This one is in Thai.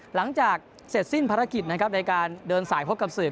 หลังจากเสร็จสิ้นภารกิจนะครับในการเดินสายพบกับสื่อ